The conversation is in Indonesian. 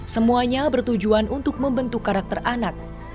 semuanya bertujuan untuk membentuk karakter anak